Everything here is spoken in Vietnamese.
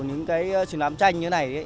những cái truyền lãm tranh như thế này